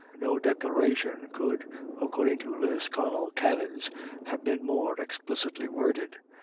No declaration could, according to Lisconnel canons, have been more explicitly worded.